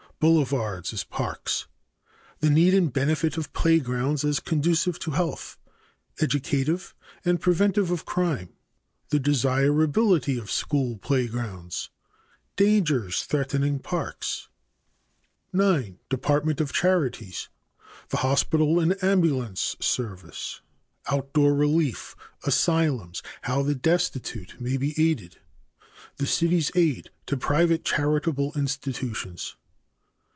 Boulevards as parks. The need and benefit of playgrounds as conducive to health, educative and preventive of crime. The desirability of school playgrounds. Dangers threatening parks. 9. Department of Charities. The hospital and ambulance service. Out door relief. Asylums. How the destitute may be aided. The city's aid to private charitable institutions.